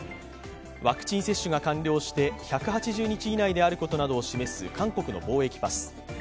ワクチン接種が完了して１８０日以内であることなどを示す韓国の防疫パス。